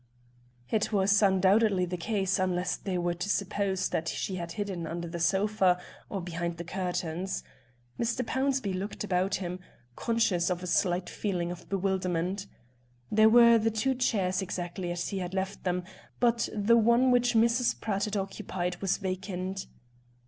It was undoubtedly the case, unless they were to suppose that she had hidden under the sofa, or behind the curtains. Mr. Pownceby looked about him, conscious of a slight feeling of bewilderment. There were the two chairs, exactly as he left them, but the one which Mrs. Pratt had occupied was vacant.